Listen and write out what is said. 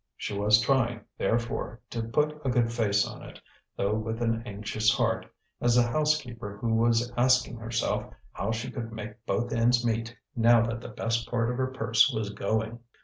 She was trying, therefore, to put a good face on it, though with an anxious heart, as a housekeeper who was asking herself how she could make both ends meet now that the best part of her purse was going.